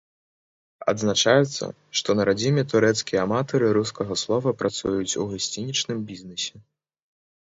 Адзначаецца, што на радзіме турэцкія аматары рускага слова працуюць у гасцінічным бізнэсе.